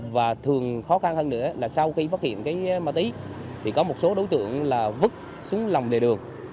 và thường khó khăn hơn nữa là sau khi phát hiện cái ma túy thì có một số đối tượng là vứt xuống lòng đề đường